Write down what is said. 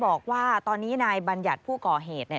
บอกว่าตอนนี้นายบัญญัติผู้ก่อเหตุ